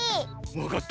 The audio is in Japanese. わかった。